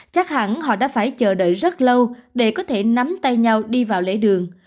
chắc hẳn họ đã phải chờ đợi rất lâu để có thể nắm tay nhau đi vào lễ đường